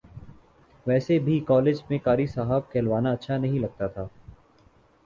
ویسے بھی کالج میں قاری صاحب کہلوانا اچھا نہ لگتا تھا